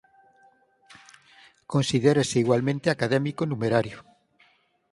Considérase igualmente académico numerario.